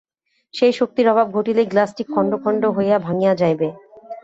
সেই শক্তির অভাব ঘটিলেই গ্লাসটি খণ্ড খণ্ড হইয়া ভাঙিয়া যাইবে।